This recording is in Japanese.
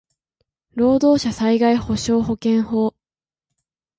労働者災害補償保険法